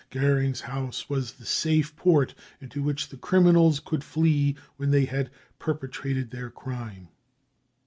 Goering's house was the safe port into which the criminals could flee when they had perpetrated their crime.